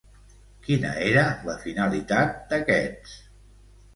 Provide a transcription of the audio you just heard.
Quina era la finalitat d'aquests?